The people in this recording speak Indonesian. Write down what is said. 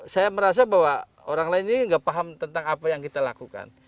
saya merasa bahwa orang lain ini tidak paham tentang apa yang kita lakukan